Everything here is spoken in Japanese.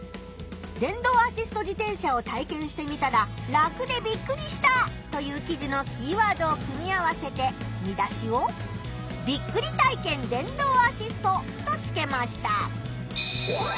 電動アシスト自転車を体験してみたら「楽でびっくりした」という記事のキーワードを組み合わせて見出しを「ビックリ体験電動アシスト」とつけました。